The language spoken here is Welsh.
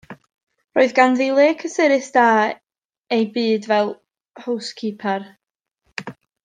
Roedd ganddi le cysurus, da ei byd fel howscipar.